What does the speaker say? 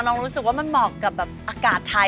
เรารู้สึกว่ามันเหมาะกับอากาศไทย